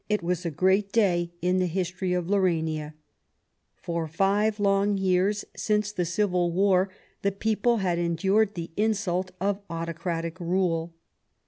It was a great day in the history of Laurania. For five long years since the Civil War the people had endured the insult of autocratic rule.